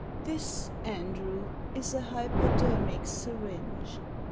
"This, Andrew, is a hypodermic syringe.